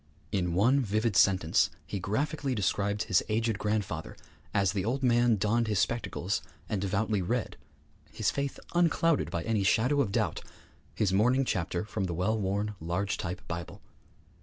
In one vivid sentence he graphically described his aged grandfather as the old man donned his spectacles and devoutly read his faith unclouded by any shadow of doubt his morning chapter from the well worn, large type Bible.